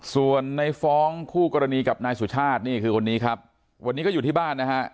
ส่วนในฟ้องคู่กรณีกับนายสุชาตินี่คือคนนี้ครับวันนี้ก็อยู่ที่บ้านนะฮะ